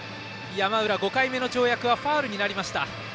山浦、５回目の跳躍はファウルになりました。